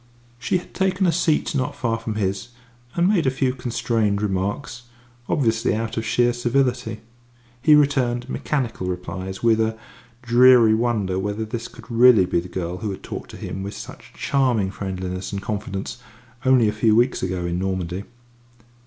She had taken a seat not far from his, and made a few constrained remarks, obviously out of sheer civility. He returned mechanical replies, with a dreary wonder whether this could really be the girl who had talked to him with such charming friendliness and confidence only a few weeks ago in Normandy.